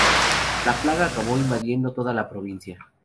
La plaga acabó invadiendo toda la provincia.